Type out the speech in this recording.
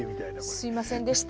すいませんでした。